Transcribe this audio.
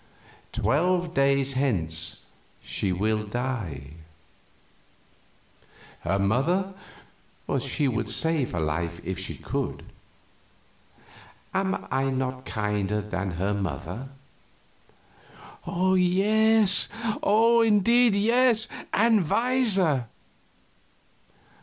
Twelve days hence she will die; her mother would save her life if she could. Am I not kinder than her mother?" "Yes oh, indeed yes; and wiser."